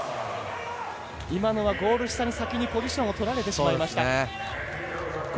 今のはゴール下に先にポジションを取られてしまいました。